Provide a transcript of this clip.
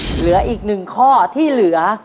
เหลืออีกหนึ่งข้อที่เหลือ